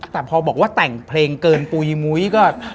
แต่พอบอกว่าแต่งเพลงเกินปุ๋ยมุ้ยก็